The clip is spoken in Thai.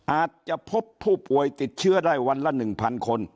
อาจจะพบผู้ป่วยติดเชื้อได้วันละ๑๐๐คน